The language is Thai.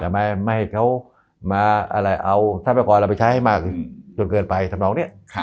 ไม่ให้เขามาเอาไท้ประความไปใช้ให้มาส่วนเกินไปทำรองเนี่ย